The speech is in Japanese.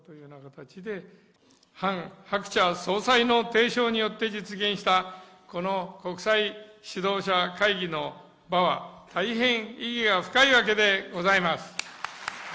ハン・ハクチャ総裁の提唱によって実現した、この国際指導者会議の場は、大変意義が深いわけでございます。